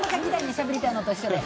しゃべりたいのと一緒で。